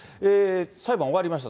裁判終わりました。